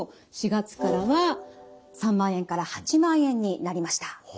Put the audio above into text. ４月からは３万円から８万円になりました。